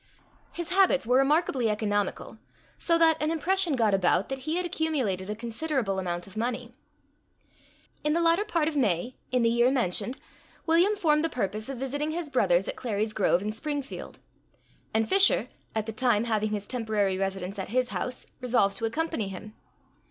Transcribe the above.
His habits were remarkably economical, so that an impression got about that he had accumulated a considerable amount of money.In the latter part of May, in the year mentioned, William formed the purpose of visiting his brothers at Clary's Grove and Springfield; and Fisher, at the time having his temporary residence at his house, resolved to accompany him.